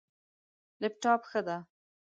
لپټاپ، ښه ده